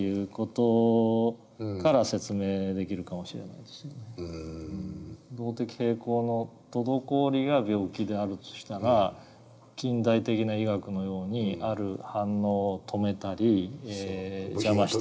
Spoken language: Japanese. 静止してしまってるというか動的平衡の滞りが病気であるとしたら近代的な医学のようにある反応を止めたり邪魔したり。